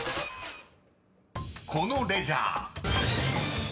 ［このレジャー］